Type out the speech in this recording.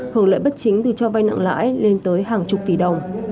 hưởng lợi bất chính từ cho vay nặng lãi lên tới hàng chục tỷ đồng